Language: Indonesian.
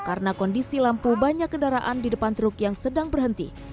karena kondisi lampu banyak kendaraan di depan truk yang sedang berhenti